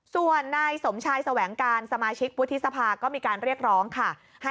ส่วนนายสมชายแสวงการสมาชิกวุฒิสภาก็มีการเรียกร้องค่ะ